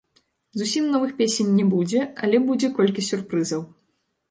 Зусім новых песень не будзе, але будзе колькі сюрпрызаў.